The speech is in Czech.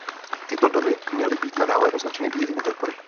Tyto domy měly být nadále označeny bílými prapory.